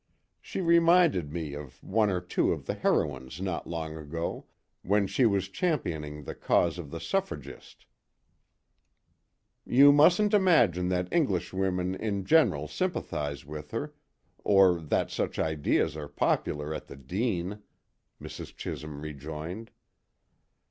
She reminded me of one or two of the heroines not long ago, when she was championing the cause of the suffragist." "You mustn't imagine that English women in general sympathise with her, or that such ideas are popular at the Dene," Mrs. Chisholm rejoined.